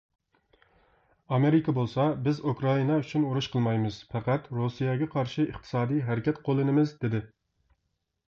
ئامېرىكا بولسا، بىز ئۇكرائىنا ئۈچۈن ئۇرۇش قىلمايمىز، پەقەت رۇسىيەگە قارشى ئىقتىسادى ھەرىكەت قوللىنىمىز دېدى.